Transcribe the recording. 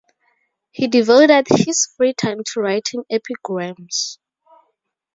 He devoted his free time to writing epigrams.